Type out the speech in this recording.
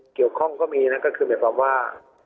เกี่ยวข้องก็มีนะก็คือเป็นภาพว่า